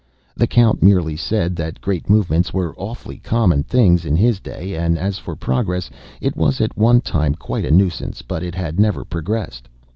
The Count merely said that Great Movements were awfully common things in his day, and as for Progress, it was at one time quite a nuisance, but it never progressed.